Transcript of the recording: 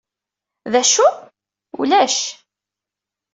D acu? Ulac.